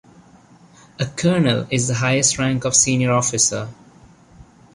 A colonel is the highest rank of senior officer.